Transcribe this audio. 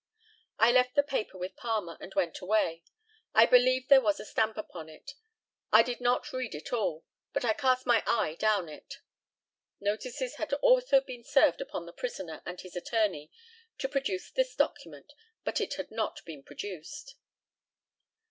I left the paper with Palmer, and went away. I believe there was a stamp upon it. I did not read it all, but I cast my eye down it. [Notices had also been served upon the prisoner and his attorney to produce this document, but it had not been produced.